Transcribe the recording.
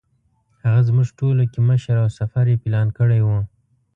هغه زموږ ټولو کې مشر او سفر یې پلان کړی و.